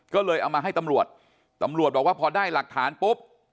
ก็เลยเอามาให้ตำรวจตำรวจบอกว่าพอได้หลักฐานปุ๊บ